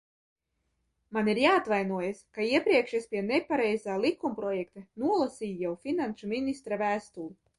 Man ir jāatvainojas, ka iepriekš es pie nepareizā likumprojekta nolasīju jau finanšu ministra vēstuli.